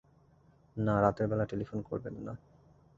না, রাতের বেলা টেলিফোন করবেন না।